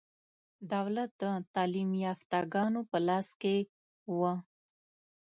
دولت د تعلیم یافته ګانو په لاس کې و.